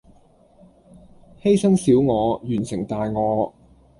犧牲小我，完成大我